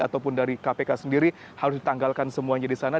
ataupun dari kpk sendiri harus ditanggalkan semuanya di sana